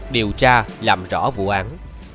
điều tra làm rõ vụ án